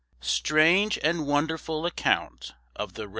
Strange and Wonderful Account of the REV.